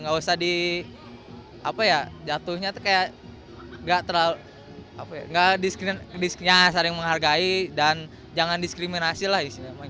gak usah dijatuhnya tuh kayak gak terlalu gak diskenya saring menghargai dan jangan diskriminasi lah